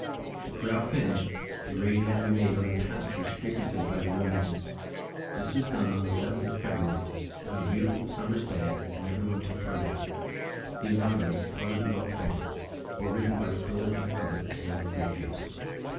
The corral finished, a raid had to be made on the pastures frequented by the ruminants. This was done on the 7th of February, on a beautiful summer's day, and every one took part in it. The onagas, already well trained, were ridden by Spilett and Herbert, and were of great use.